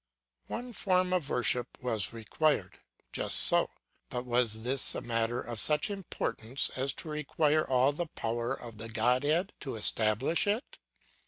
"One form of worship was required; just so, but was this a matter of such importance as to require all the power of the Godhead to establish it?